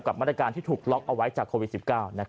มาตรการที่ถูกล็อกเอาไว้จากโควิด๑๙